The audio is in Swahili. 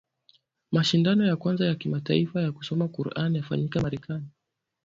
Mashindano ya kwanza ya kimataifa ya kusoma Quran yafanyika Marekani